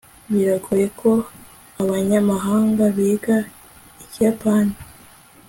biragoye ko abanyamahanga biga ikiyapani